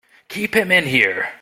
Keep him in here!